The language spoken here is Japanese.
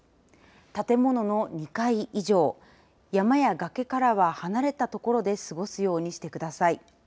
建物の２階以上山や崖からは離れた所で過ごすようにしてください。